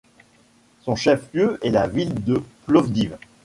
Son chef-lieu est la ville de Plovdiv.